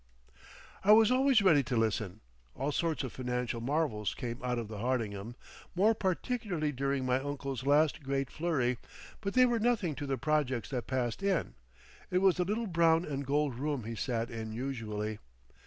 I was always ready to listen. All sorts of financial marvels came out of the Hardingham, more particularly during my uncle's last great flurry, but they were nothing to the projects that passed in. It was the little brown and gold room he sat in usually.